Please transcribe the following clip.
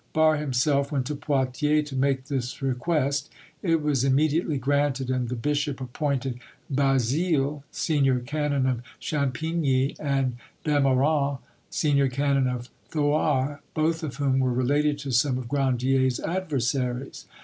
Barre himself went to Poitiers to make this request. It was immediately granted, and the bishop appointed Bazile, senior canon of Champigny, and Demorans, senior canon of Thouars, both of whom were related to some of Grandier's adversaries.